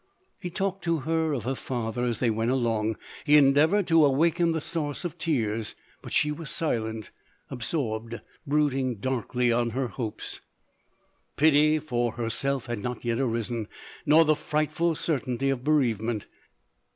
He talked to her of her father as they went along — he endeavoured to awaken the source of tears — but she was silent — absorbed — brooding darkly on her hopes. Pity for herself had not yet arisen, nor the frightful certainty of bereavement.